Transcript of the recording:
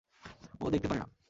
ও দেখতে পারে না।